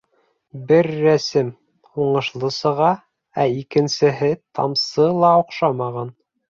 Бер рәсем уңышлы сыға, ә икенсеһе тамсы ла оҡшамаған.